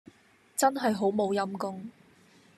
真係好冇陰公